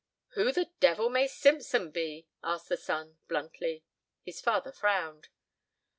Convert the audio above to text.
"Who the devil may Simpson be?" asked the son, bluntly. His father frowned.